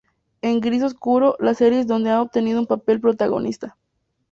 En gris oscuro las series donde ha obtenido un papel protagonista.